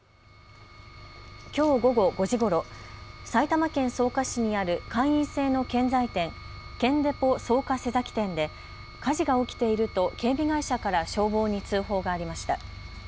きょう午後５時ごろ、埼玉県草加市にある会員制の建材店、建デポ草加瀬崎店で火事が起きていると警備会社から消防に通報がありました。